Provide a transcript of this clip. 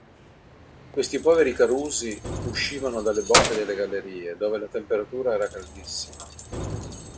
Questi poveri carusi uscivano dalle bocche delle gallerie dove la temperatura era caldissima.